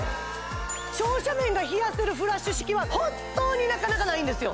照射面が冷やせるフラッシュ式は本当になかなかないんですよ